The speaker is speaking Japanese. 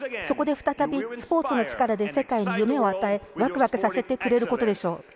そこで再び、スポーツの力で世界に夢を与えワクワクさせてくれることでしょう。